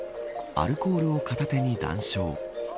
アルコールを片手に談笑。